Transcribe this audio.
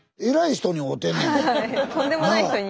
とんでもない人に。